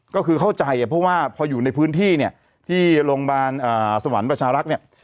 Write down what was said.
ก็คือเข้าใจเพราะว่าพออยู่ในพื้นที่เนี่ยที่โรงพยาบาลสวรรค์ประชารักษ์เนี่ย